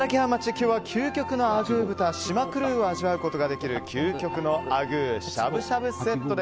今日は究極のあぐー豚島黒を味わうことができる究極のあぐーしゃぶしゃぶセット。